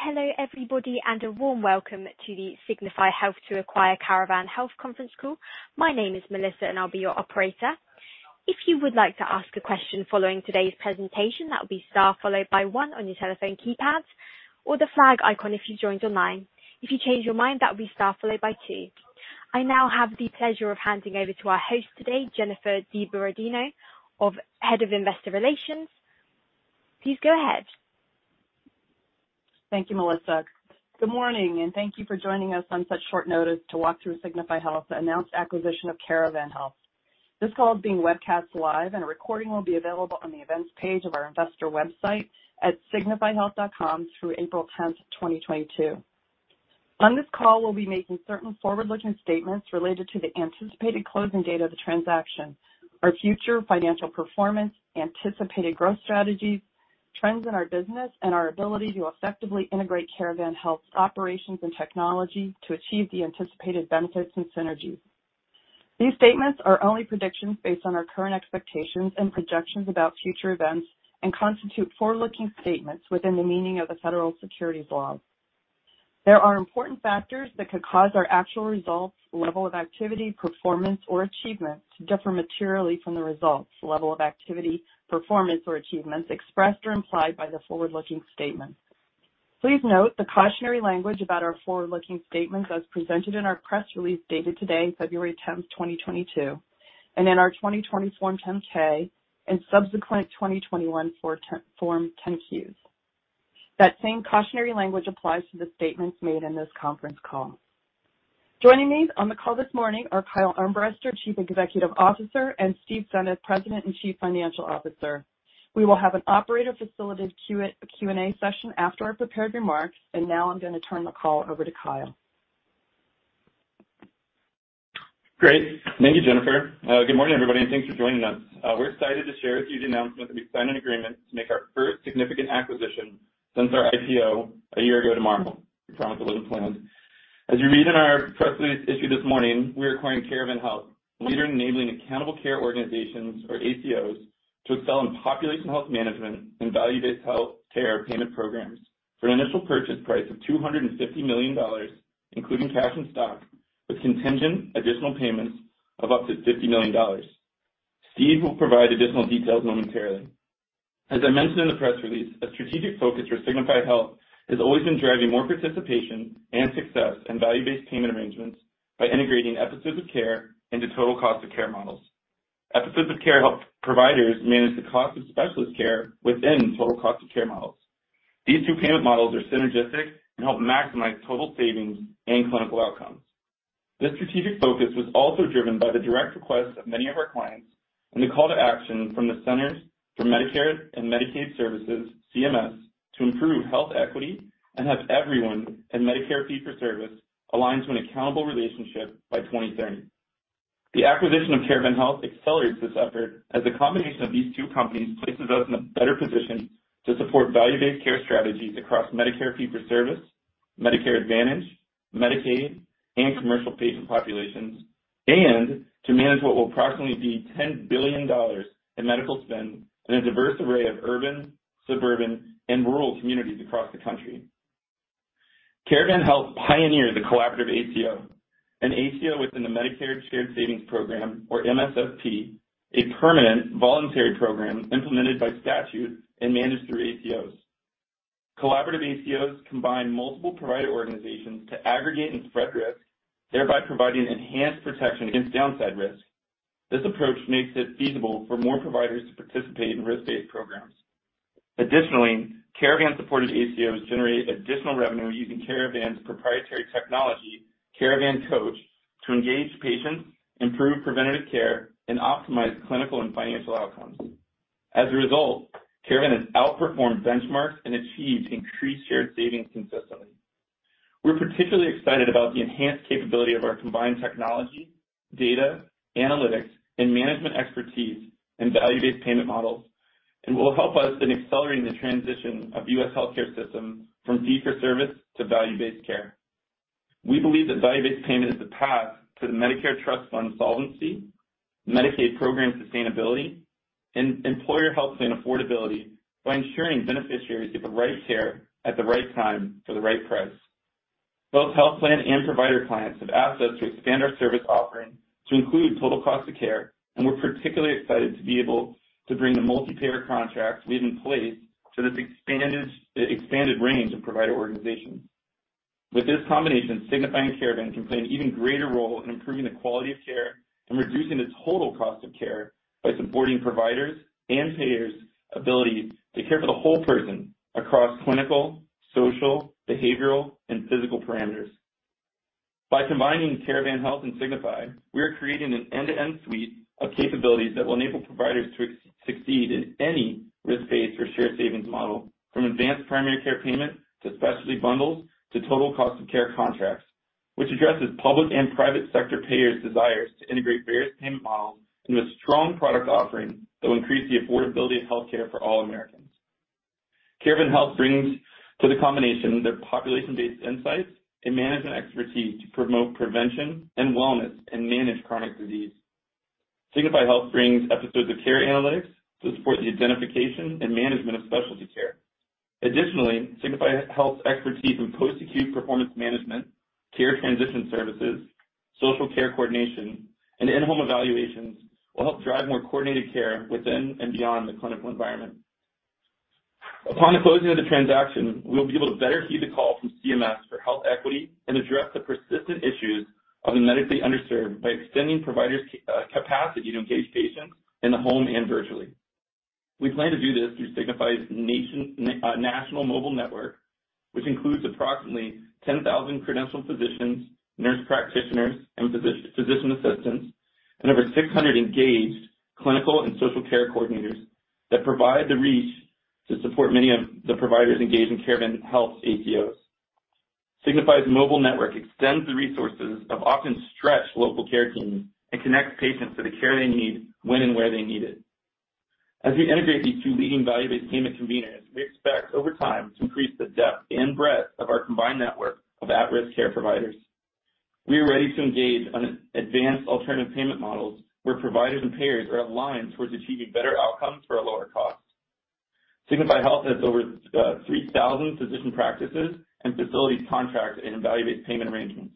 Hello everybody, and a warm welcome to the Signify Health to acquire Caravan Health conference call. My name is Melissa, and I'll be your operator. If you would like to ask a question following today's presentation, that will be star followed by one on your telephone keypads or the flag icon if you've joined online. If you change your mind, that will be star followed by two. I now have the pleasure of handing over to our host today, Jennifer DiBerardino, Head of Investor Relations. Please go ahead. Thank you, Melissa. Good morning, and thank you for joining us on such short notice to walk through Signify Health's announced acquisition of Caravan Health. This call is being webcast live and a recording will be available on the events page of our investor website at signifyhealth.com through April 10th, 2022. On this call, we'll be making certain forward-looking statements related to the anticipated closing date of the transaction, our future financial performance, anticipated growth strategies, trends in our business, and our ability to effectively integrate Caravan Health's operations and technology to achieve the anticipated benefits and synergies. These statements are only predictions based on our current expectations and projections about future events and constitute forward-looking statements within the meaning of the federal securities laws. There are important factors that could cause our actual results, level of activity, performance, or achievement to differ materially from the results, level of activity, performance, or achievements expressed or implied by the forward-looking statements. Please note the cautionary language about our forward-looking statements as presented in our press release dated today, February 10th, 2022, and in our 2020 Form 10-K and subsequent 2021 Form 10-Qs. That same cautionary language applies to the statements made in this conference call. Joining me on the call this morning are Kyle Armbrester, Chief Executive Officer, and Steven Senneff, President and Chief Financial Officer. We will have an operator-facilitated Q&A session after our prepared remarks. Now I'm gonna turn the call over to Kyle. Great. Thank you, Jennifer. Good morning, everybody, and thanks for joining us. We're excited to share with you the announcement that we've signed an agreement to make our first significant acquisition since our IPO a year ago tomorrow. We promise it wasn't planned. As you read in our press release issued this morning, we're acquiring Caravan Health, a leader in enabling accountable care organizations, or ACOs, to excel in population health management and value-based health care payment programs for an initial purchase price of $250 million, including cash and stock, with contingent additional payments of up to $50 million. Steve will provide additional details momentarily. As I mentioned in the press release, a strategic focus for Signify Health has always been driving more participation and success in value-based payment arrangements by integrating episodes of care into total cost of care models. Episodes of care help providers manage the cost of specialist care within total cost of care models. These two payment models are synergistic and help maximize total savings and clinical outcomes. This strategic focus was also driven by the direct request of many of our clients and the call to action from the Centers for Medicare and Medicaid Services, CMS, to improve health equity and have everyone in Medicare fee-for-service aligned to an accountable relationship by 2030. The acquisition of Caravan Health accelerates this effort as a combination of these two companies places us in a better position to support value-based care strategies across Medicare fee-for-service, Medicare Advantage, Medicaid, and commercial patient populations, and to manage what will approximately be $10 billion in medical spend in a diverse array of urban, suburban, and rural communities across the country. Caravan Health pioneered the collaborative ACO, an ACO within the Medicare Shared Savings Program, or MSSP, a permanent voluntary program implemented by statute and managed through ACOs. Collaborative ACOs combine multiple provider organizations to aggregate and spread risk, thereby providing enhanced protection against downside risk. This approach makes it feasible for more providers to participate in risk-based programs. Additionally, Caravan-supported ACOs generate additional revenue using Caravan's proprietary technology, Caravan Coach, to engage patients, improve preventative care, and optimize clinical and financial outcomes. As a result, Caravan has outperformed benchmarks and achieved increased shared savings consistently. We're particularly excited about the enhanced capability of our combined technology, data, analytics, and management expertise in value-based payment models, and will help us in accelerating the transition of U.S. healthcare system from fee-for-service to value-based care. We believe that value-based payment is the path to the Medicare Trust Fund solvency, Medicaid program sustainability, and employer health plan affordability by ensuring beneficiaries get the right care at the right time for the right price. Both health plan and provider clients have asked us to expand our service offering to include total cost of care, and we're particularly excited to be able to bring the multi-payer contracts we have in place to this expanded range of provider organizations. With this combination, Signify and Caravan can play an even greater role in improving the quality of care and reducing the total cost of care by supporting providers' and payers' ability to care for the whole person across clinical, social, behavioral, and physical parameters. By combining Caravan Health and Signify, we are creating an end-to-end suite of capabilities that will enable providers to succeed in any risk-based or shared savings model, from advanced primary care payment to specialty bundles to total cost of care contracts, which addresses public and private sector payers' desires to integrate various payment models into a strong product offering that will increase the affordability of healthcare for all Americans. Caravan Health brings to the combination their population-based insights and management expertise to promote prevention and wellness and manage chronic disease. Signify Health brings episodes of care analytics to support the identification and management of specialty care. Additionally, Signify Health's expertise in post-acute performance management, care transition services, social care coordination, and in-home evaluations will help drive more coordinated care within and beyond the clinical environment. Upon the closing of the transaction, we will be able to better heed the call from CMS for health equity and address the persistent issues of the medically underserved by extending providers' capacity to engage patients in the home and virtually. We plan to do this through Signify's national mobile network, which includes approximately 10,000 credentialed physicians, nurse practitioners, and physician assistants, and over 600 engaged clinical and social care coordinators that provide the reach to support many of the providers engaged in Caravan Health's ACOs. Signify's mobile network extends the resources of often stretched local care teams and connects patients to the care they need when and where they need it. As we integrate these two leading value-based payment conveners, we expect over time to increase the depth and breadth of our combined network of at-risk care providers. We are ready to engage on advanced alternative payment models, where providers and payers are aligned towards achieving better outcomes for a lower cost. Signify Health has over 3,000 physician practices and facilities contracted in value-based payment arrangements.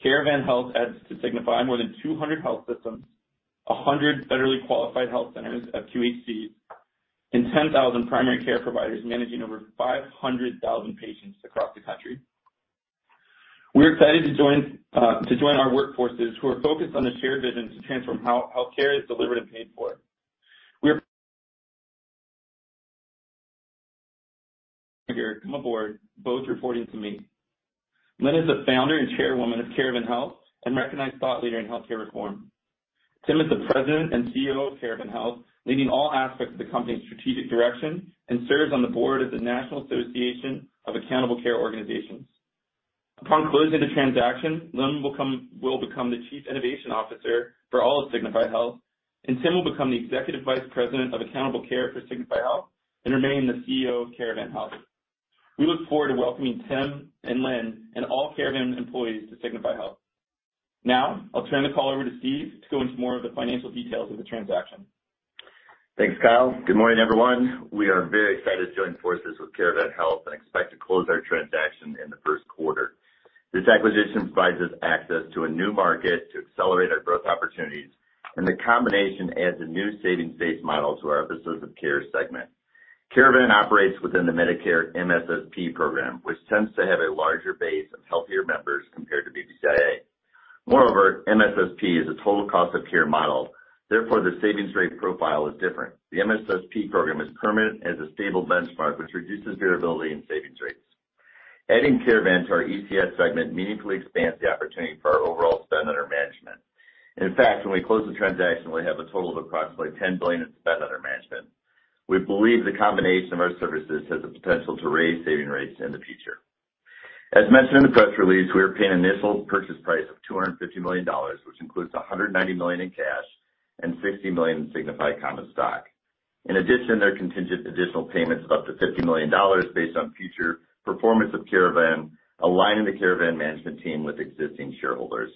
Caravan Health adds to Signify more than 200 health systems, 100 federally qualified health centers, FQHC, and 10,000 primary care providers managing over 500,000 patients across the country. We're excited to join our workforces who are focused on the shared vision to transform how healthcare is delivered and paid for. They have come aboard, both reporting to me. Lynn is the founder and chairwoman of Caravan Health and recognized thought leader in healthcare reform. Tim is the President and CEO of Caravan Health, leading all aspects of the company's strategic direction and serves on the board of the National Association of Accountable Care Organizations. Upon closing the transaction, Lynn will become the Chief Innovation Officer for all of Signify Health, and Tim will become the Executive Vice President of Accountable Care for Signify Health, and remain the CEO of Caravan Health. We look forward to welcoming Tim and Lynn and all Caravan employees to Signify Health. Now, I'll turn the call over to Steve to go into more of the financial details of the transaction. Thanks, Kyle. Good morning, everyone. We are very excited to join forces with Caravan Health and expect to close our transaction in the first quarter. This acquisition provides us access to a new market to accelerate our growth opportunities, and the combination adds a new savings-based model to our episodes of care segment. Caravan operates within the Medicare MSSP program, which tends to have a larger base of healthier members compared to BPCI-A. Moreover, MSSP is a total cost of care model, therefore, the savings rate profile is different. The MSSP program is permanent and has a stable benchmark, which reduces variability in savings rates. Adding Caravan to our ECS segment meaningfully expands the opportunity for our overall spend under management. In fact, when we close the transaction, we'll have a total of approximately $10 billion in spend under management. We believe the combination of our services has the potential to raise saving rates in the future. As mentioned in the press release, we are paying an initial purchase price of $250 million, which includes $190 million in cash and $60 million in Signify common stock. In addition, there are contingent additional payments of up to $50 million based on future performance of Caravan, aligning the Caravan management team with existing shareholders.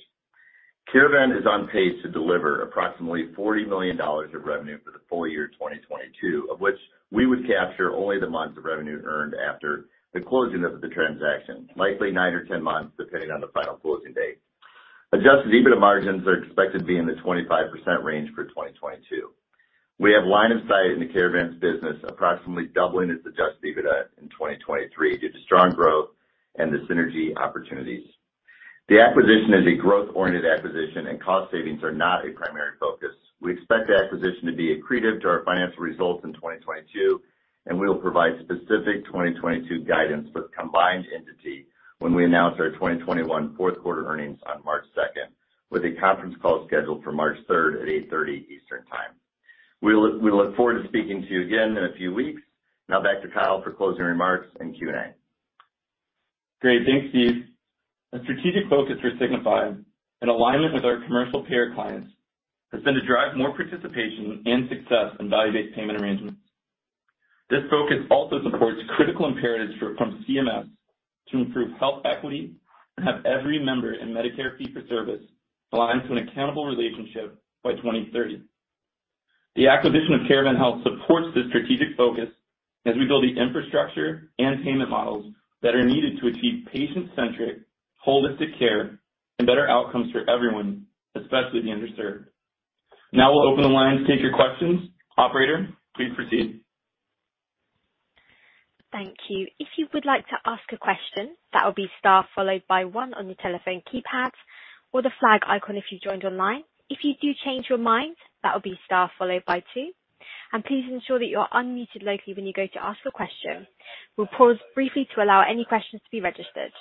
Caravan is on pace to deliver approximately $40 million of revenue for the full year 2022, of which we would capture only the months of revenue earned after the closing of the transaction, likely nine or 10 months, depending on the final closing date. Adjusted EBITDA margins are expected to be in the 25% range for 2022. We have line of sight into Caravan's business, approximately doubling its adjusted EBITDA in 2023 due to strong growth and the synergy opportunities. The acquisition is a growth-oriented acquisition and cost savings are not a primary focus. We expect the acquisition to be accretive to our financial results in 2022, and we will provide specific 2022 guidance for the combined entity when we announce our 2021 fourth quarter earnings on March 2nd, with a conference call scheduled for March 3rd at 8:30 Eastern Time. We look forward to speaking to you again in a few weeks. Now back to Kyle for closing remarks and Q&A. Great. Thanks, Steve. A strategic focus for Signify in alignment with our commercial payer clients has been to drive more participation and success in value-based payment arrangements. This focus also supports critical imperatives from CMS to improve health equity and have every member in Medicare fee-for-service aligned to an accountable relationship by 2030. The acquisition of Caravan Health supports this strategic focus as we build the infrastructure and payment models that are needed to achieve patient-centric, holistic care and better outcomes for everyone, especially the underserved. Now we'll open the line to take your questions. Operator, please proceed. Thank you. If you would like to ask a question, that will be star followed by one on your telephone keypads or the flag icon if you've joined online. If you do change your mind, that will be star followed by two, and please ensure that you are unmuted locally when you go to ask a question. We'll pause briefly to allow any questions to be registered.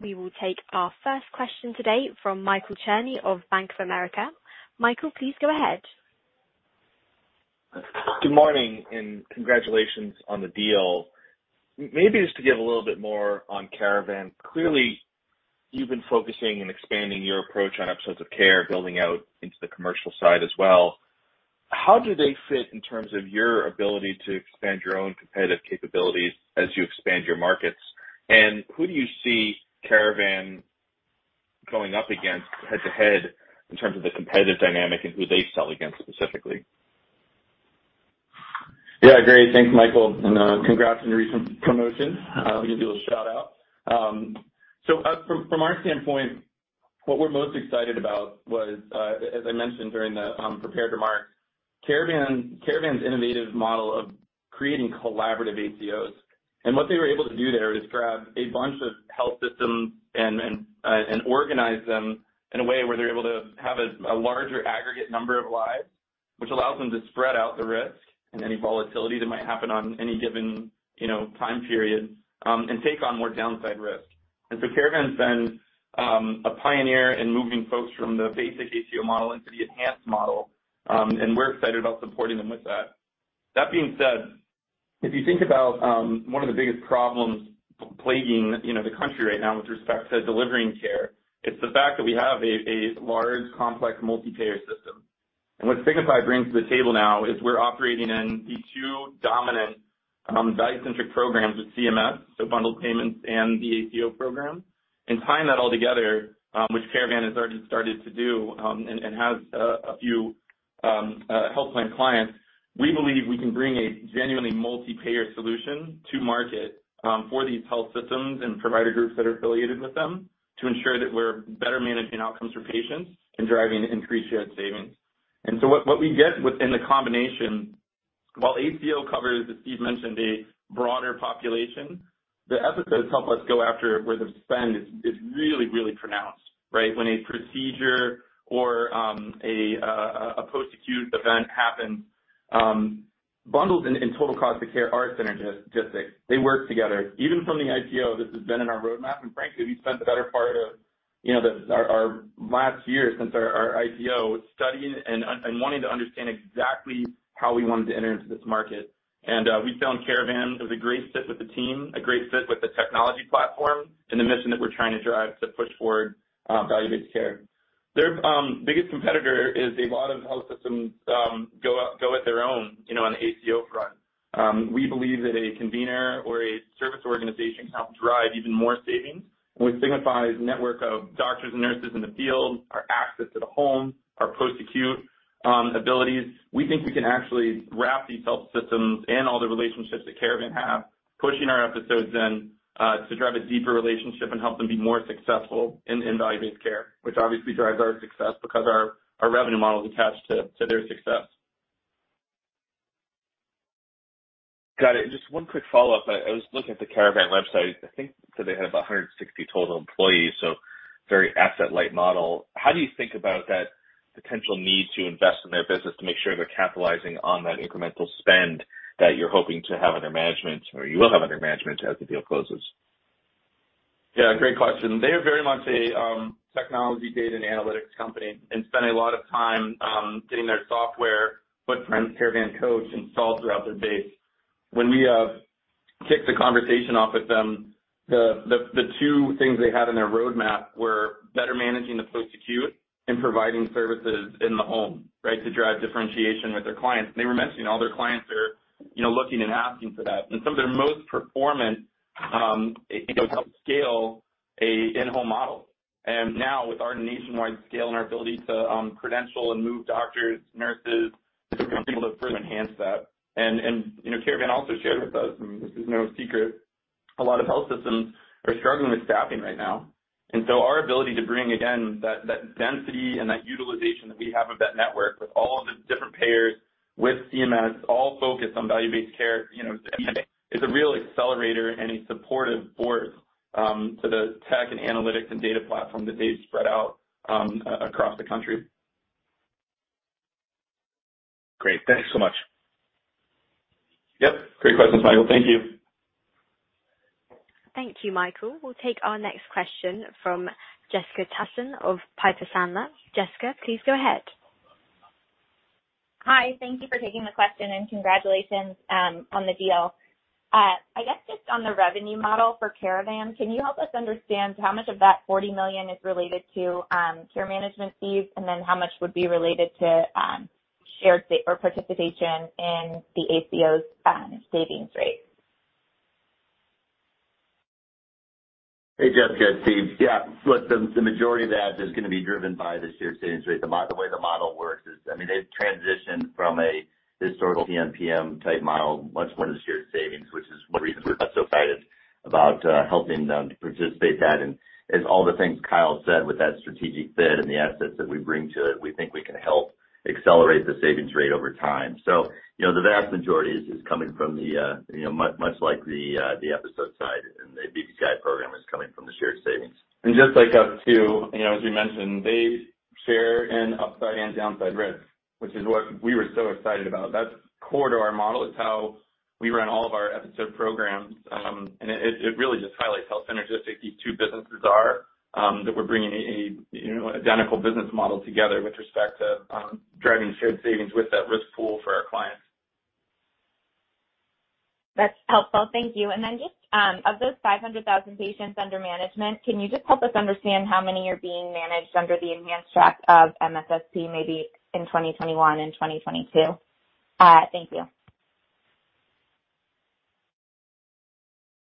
We will take our first question today from Michael Cherny of Bank of America. Michael, please go ahead. Good morning and congratulations on the deal. Maybe just to give a little bit more on Caravan. Clearly, you've been focusing and expanding your approach on episodes of care, building out into the commercial side as well. How do they fit in terms of your ability to expand your own competitive capabilities as you expand your markets? Who do you see Caravan going up against head-to-head in terms of the competitive dynamic and who they sell against specifically? Yeah, great. Thanks, Michael, and congrats on your recent promotion. Let me give you a little shout-out. From our standpoint, what we're most excited about was, as I mentioned during the prepared remarks, Caravan's innovative model of creating collaborative ACOs. What they were able to do there is grab a bunch of health systems and organize them in a way where they're able to have a larger aggregate number of lives, which allows them to spread out the risk and any volatility that might happen on any given, you know, time period, and take on more downside risk. Caravan's been a pioneer in moving folks from the basic ACO model into the enhanced model. We're excited about supporting them with that. That being said, if you think about one of the biggest problems plaguing, you know, the country right now with respect to delivering care, it's the fact that we have a large, complex, multi-payer system. What Signify brings to the table now is we're operating in the two dominant value-centric programs with CMS, so bundled payments and the ACO program, and tying that all together, which Caravan has already started to do, and has a few health plan clients. We believe we can bring a genuinely multi-payer solution to market for these health systems and provider groups that are affiliated with them to ensure that we're better managing outcomes for patients and driving increased shared savings. What we get within the combination, while ACO covers, as Steve mentioned, a broader population, the episodes help us go after where the spend is really pronounced, right? When a procedure or a post-acute event happens, bundles and total cost of care are synergistic. They work together. Even from the IPO, this has been in our roadmap, and frankly, we spent the better part of, you know, our last year since our IPO studying and wanting to understand exactly how we wanted to enter into this market. We found Caravan was a great fit with the team, a great fit with the technology platform and the mission that we're trying to drive to push forward value-based care. Their biggest competitor is a lot of health systems go at their own, you know, on the ACO front. We believe that a convener or a service organization can help drive even more savings. With Signify's network of doctors and nurses in the field, our access to the home, our post-acute abilities, we think we can actually wrap these health systems and all the relationships that Caravan have, pushing our episodes in to drive a deeper relationship and help them be more successful in value-based care, which obviously drives our success because our revenue model is attached to their success. Got it. Just one quick follow-up. I was looking at the Caravan website. I think that they have 160 total employees, so very asset-light model. How do you think about that potential need to invest in their business to make sure they're capitalizing on that incremental spend that you're hoping to have under management or you will have under management as the deal closes? Yeah, great question. They are very much a technology data and analytics company and spend a lot of time getting their software footprint, Caravan Coach, installed throughout the base. When we kicked the conversation off with them, the two things they had in their roadmap were better managing the post-acute and providing services in the home, right? To drive differentiation with their clients. They were mentioning all their clients are, you know, looking and asking for that. And some of their most performant, you know, help scale an in-home model. And now with our nationwide scale and our ability to credential and move doctors, nurses, we're gonna be able to further enhance that. And you know, Caravan also shared with us, and this is no secret, a lot of health systems are struggling with staffing right now. Our ability to bring, again, that density and that utilization that we have of that network with all of the different payers, with CMS, all focused on value-based care, you know, is a real accelerator and a supportive board to the tech and analytics and data platform that they've spread out across the country. Great. Thanks so much. Yep. Great questions, Michael. Thank you. Thank you, Michael. We'll take our next question from Jessica Tassan of Piper Sandler. Jessica, please go ahead. Hi. Thank you for taking the question and congratulations on the deal. I guess just on the revenue model for Caravan, can you help us understand how much of that $40 million is related to care management fees, and then how much would be related to or participation in the ACO's savings rate? Hey, Jessica. It's Steve. Yeah. Look, the majority of that is gonna be driven by the shared savings rate. The way the model works is, I mean, they've transitioned from a historical PMPM type model much more to shared savings, which is one reason we're so excited about helping them participate that. As all the things Kyle said with that strategic fit and the assets that we bring to it, we think we can help accelerate the savings rate over time. You know, the vast majority is coming from the much like the episode side and the BPCI program is coming from the shared savings. Just like us, too, you know, as we mentioned, they share in upside and downside risk, which is what we were so excited about. That's core to our model. It's how we run all of our episode programs. It really just highlights how synergistic these two businesses are, that we're bringing a, you know, identical business model together with respect to, driving shared savings with that risk pool for our clients. That's helpful. Thank you. Just, of those 500,000 patients under management, can you just help us understand how many are being managed under the enhanced track of MSSP, maybe in 2021 and 2022? Thank you.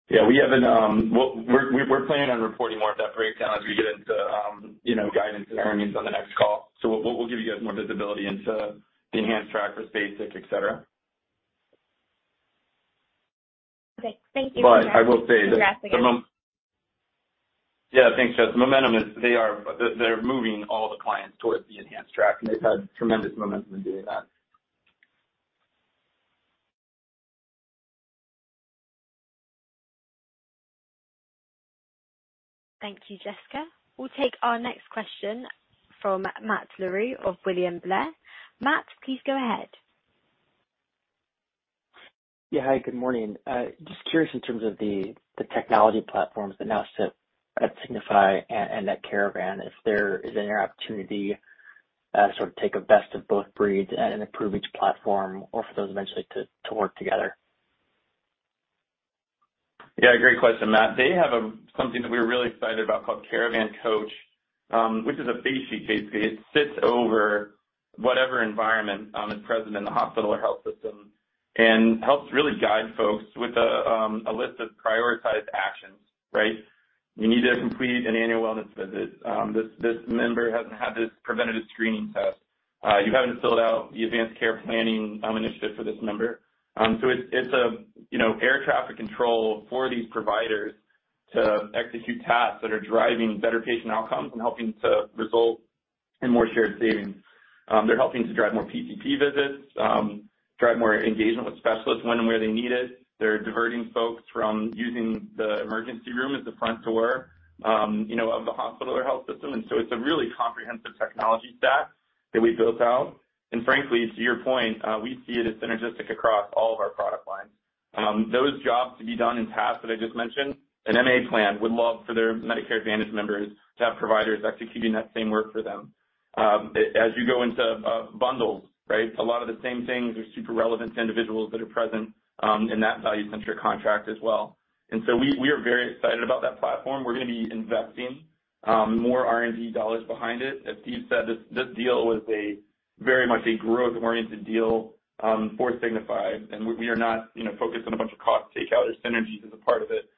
Yeah. We're planning on reporting more of that breakdown as we get into you know, guidance and earnings on the next call. We'll give you guys more visibility into the enhanced track for basic, et cetera. Okay. Thank you. I will say that. Congrats, again. Yeah, thanks, Jessica. Momentum is. They're moving all the clients towards the enhanced track, and they've had tremendous momentum in doing that. Thank you, Jessica. We'll take our next question from Matt Larew of William Blair. Matt, please go ahead. Yeah. Hi, good morning. Just curious in terms of the technology platforms that now sit at Signify and at Caravan, if there is an opportunity to sort of take a best of both breeds and improve each platform or for those eventually to work together? Yeah, great question, Matt. They have something that we're really excited about called Caravan Coach, which is a face sheet, basically. It sits over whatever environment is present in the hospital or health system and helps really guide folks with a list of prioritized actions, right? You need to complete an annual wellness visit. This member hasn't had this preventative screening test. You haven't filled out the advanced care planning initiative for this member. It's a you know air traffic control for these providers to execute tasks that are driving better patient outcomes and helping to result in more shared savings. They're helping to drive more PCP visits, drive more engagement with specialists when and where they need it. They're diverting folks from using the emergency room as the front door, you know, of the hospital or health system. It's a really comprehensive technology stack that we built out. Frankly, to your point, we see it as synergistic across all of our product lines. Those jobs to be done in tasks that I just mentioned, an MA plan would love for their Medicare Advantage members to have providers executing that same work for them. As you go into bundles, right? A lot of the same things are super relevant to individuals that are present in that value-centric contract as well. We are very excited about that platform. We're gonna be investing more R&D dollars behind it. As Steve said, this deal was very much a growth-oriented deal for Signify, and we are not, you know, focused on a bunch of cost takeout or synergies as a part of it.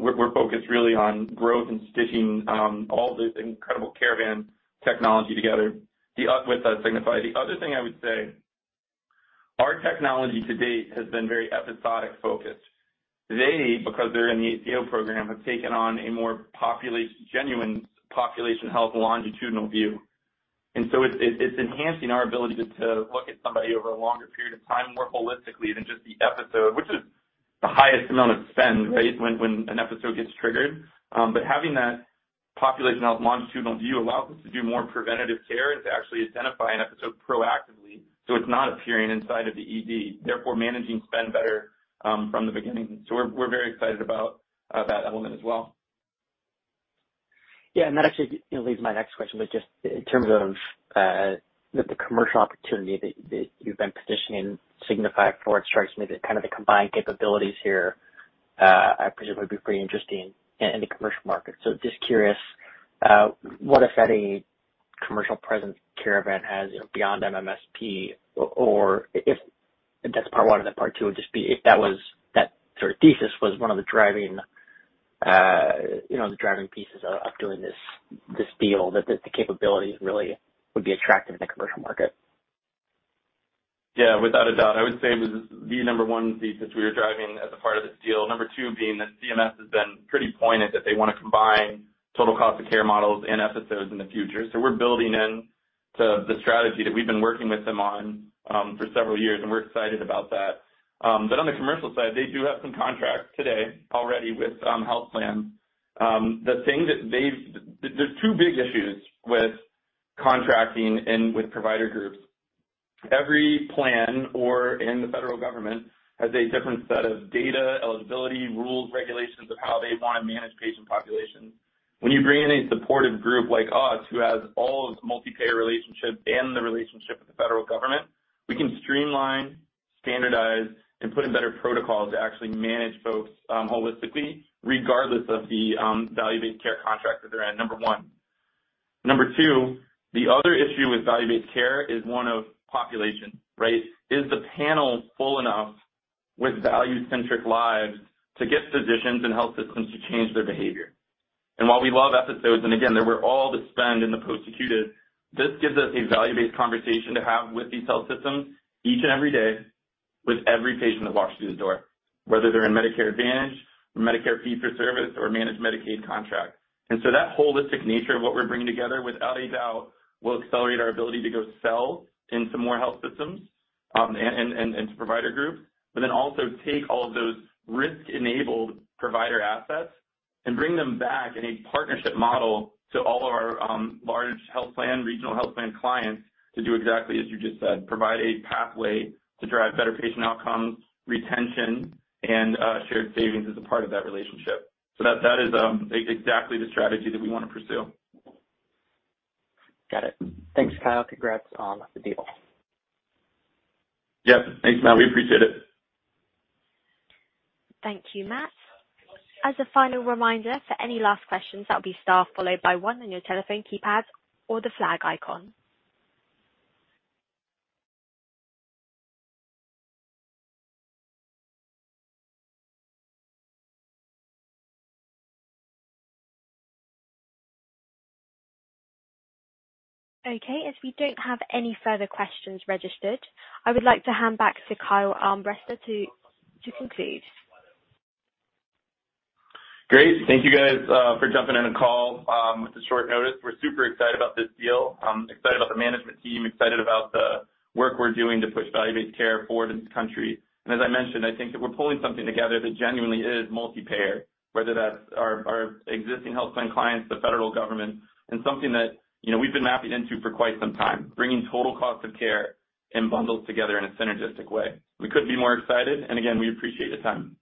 We're focused really on growth and stitching all this incredible Caravan technology together with Signify. The other thing I would say, our technology to date has been very episodic-focused. They, because they're in the ACO program, have taken on a more population health longitudinal view. It's enhancing our ability to look at somebody over a longer period of time more holistically than just the episode, which is the highest amount of spend, right, when an episode gets triggered. Having that population health longitudinal view allows us to do more preventative care and to actually identify an episode proactively, so it's not appearing inside of the ED, therefore managing spend better from the beginning. We're very excited about that element as well. Yeah. That actually, you know, leads to my next question, but just in terms of the commercial opportunity that you've been positioning Signify forward starts maybe kind of the combined capabilities here, I presume would be pretty interesting in the commercial market. So just curious, what, if any, commercial presence Caravan has, you know, beyond MSSP or if. That's part one, and then part two would just be if that sort of thesis was one of the driving, you know, the driving pieces of doing this deal, that the capabilities really would be attractive in the commercial market. Yeah. Without a doubt. I would say it was the number one thesis we were driving as a part of this deal. Number two being that CMS has been pretty pointed that they wanna combine total cost of care models and episodes in the future. We're building into the strategy that we've been working with them on for several years, and we're excited about that. On the commercial side, they do have some contracts today already with health plans. There's two big issues with contracting and with provider groups. Every plan, or in the federal government, has a different set of data, eligibility, rules, regulations of how they wanna manage patient populations. When you bring in a supportive group like us, who has all of this multi-payer relationships and the relationship with the federal government, we can streamline, standardize, and put in better protocols to actually manage folks, holistically, regardless of the value-based care contract that they're in, number one. Number two, the other issue with value-based care is one of population, right? Is the panel full enough with value-centric lives to get physicians and health systems to change their behavior? While we love episodes, and again, there's all the spend in the post-acute, this gives us a value-based conversation to have with these health systems each and every day with every patient that walks through the door, whether they're in Medicare Advantage or Medicare fee-for-service or managed Medicaid contract. That holistic nature of what we're bringing together, without a doubt, will accelerate our ability to go sell into more health systems, and to provider groups, but then also take all of those risk-enabled provider assets and bring them back in a partnership model to all of our large health plan, regional health plan clients to do exactly as you just said, provide a pathway to drive better patient outcomes, retention, and shared savings as a part of that relationship. That is exactly the strategy that we wanna pursue. Got it. Thanks, Kyle. Congrats on the deal. Yeah. Thanks, Matt. We appreciate it. Thank you, Matt. As a final reminder for any last questions, that'll be star followed by one on your telephone keypad or the flag icon. Okay. As we don't have any further questions registered, I would like to hand back to Kyle Armbrester to conclude. Great. Thank you guys for jumping on a call with the short notice. We're super excited about this deal. I'm excited about the management team, excited about the work we're doing to push value-based care forward in this country. As I mentioned, I think that we're pulling something together that genuinely is multi-payer, whether that's our existing health plan clients, the federal government, and something that, you know, we've been mapping into for quite some time, bringing total cost of care and bundles together in a synergistic way. We couldn't be more excited. Again, we appreciate the time.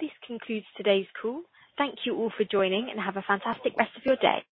This concludes today's call. Thank you all for joining, and have a fantastic rest of your day.